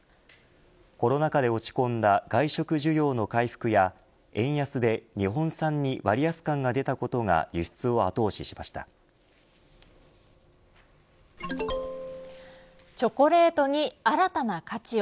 コロナ禍で落ち込んだ外食需要の回復や円安で日本産に割安感が出たことがチョコレートに新たな価値を。